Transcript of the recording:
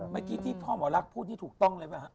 เมื่อกี้ที่ท่อหมอลักษณ์พูดนี่ถูกต้องเลยไหมครับ